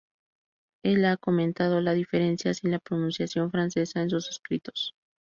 Él ha comentado la diferencia, sin la pronunciación francesa, en sus escritos.